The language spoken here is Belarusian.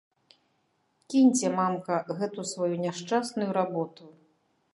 Кіньце, мамка, гэту сваю няшчасную работу!